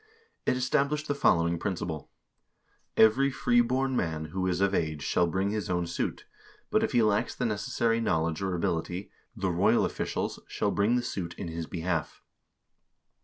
It estab lished the following principle :" Every f reeborn man who is of age shall bring his own suit, but if he lacks the necessary knowledge or ability, the royal officials shall bring the suit in his behalf."